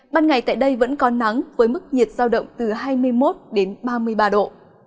ban ngày tại đây vẫn có nắng với mức nhiệt giao động từ hai mươi một đến ba mươi ba độ